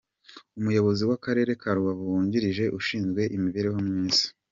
Umuyobozi w’Akarere ka Rubavu wungirije ushinzwe imibereho myiza, .